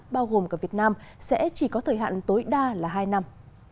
bao gồm cả việt nam sẽ chỉ có thời hạn tối đa là hai năm